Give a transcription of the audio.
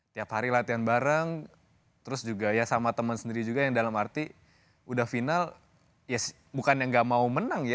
tiap hari latihan bareng terus juga ya sama temen sendiri juga yang dalam arti udah final ya bukan yang gak mau menang ya